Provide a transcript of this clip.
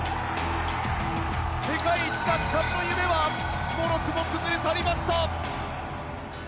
世界一奪還の夢はもろくも崩れ去りました。